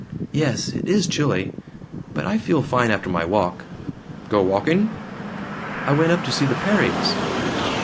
"Yes. It is chilly. But I feel fine after my walk." "Go walking?" "I went up to see the Perrys."